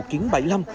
tại tp đà nẵng